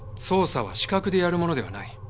捜査は資格でやるものではない。